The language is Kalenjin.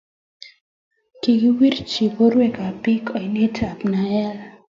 Kikiwirchi borwek ab bik oinet ab nael